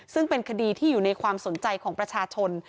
ซึ่งเป็นคดีที่อยู่ในความสนใจของประชาชน